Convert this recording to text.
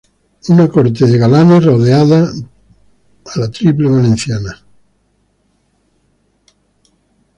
Una corte de galanes rodeaba a la tiple valenciana.